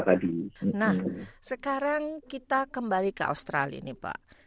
nah sekarang kita kembali ke australia ini pak